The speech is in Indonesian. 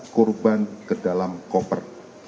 korban ke dalam koper